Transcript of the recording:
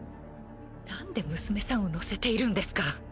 なんで娘さんを乗せているんですか？